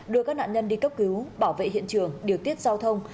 đưa các nạn nhân đi cấp cứu bảo vệ hiện trường điều tiết giao thông